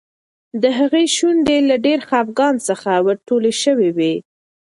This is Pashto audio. د هغې شونډې له ډېر خپګان څخه ورټولې شوې وې.